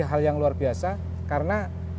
hal yang luar biasa karena